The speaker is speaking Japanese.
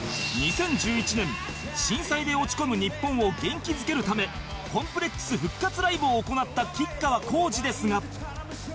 ２０１１年震災で落ち込む日本を元気づけるため ＣＯＭＰＬＥＸ 復活ライブを行った吉川晃司ですが